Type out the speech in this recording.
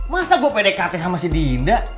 masa gue pdkt sama si dinda